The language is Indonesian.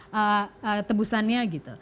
nah tebusannya gitu